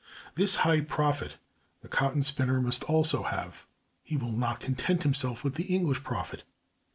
This high profit the cotton spinner must also have: he will not content himself with the English profit.